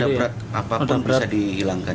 iya noda berat berat apapun bisa dihilangkan